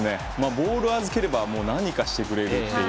ボールを預ければ何かしてくれるという。